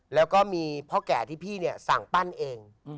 แล้วก็มีพ่อแก่ที่พี่เนี่ยสั่งปั้นเอง